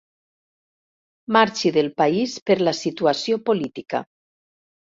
Marxi del país per la situació política.